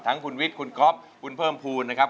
ทั้งคุณวิทย์คุณก๊อฟคุณเผิร์มพูนนะครับ